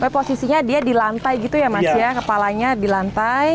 tapi posisinya dia di lantai gitu ya mas ya kepalanya di lantai